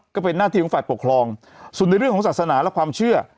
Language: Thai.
ก็เป็นหน้าที่ของฝ่ายปกครองส่วนในเรื่องของศาสนาและความเชื่อ